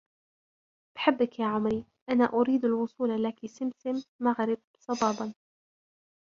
بحبك ياعمرى انا اريد الوصول لك سمسم مغرب صبابا